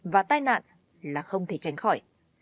và tai nạn là không thể tránh khỏi